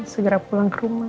segera pulang ke rumah